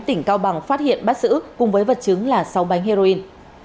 tỉnh cao bằng phát hiện bắt giữ cùng với vật chứng là sáu bánh heroin